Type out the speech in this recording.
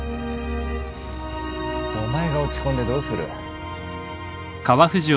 お前が落ち込んでどうする。